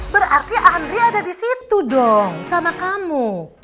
berarti andri ada di situ dong sama kamu